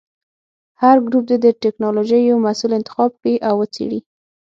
هر ګروپ دې د ټېکنالوجۍ یو محصول انتخاب کړي او وڅېړي.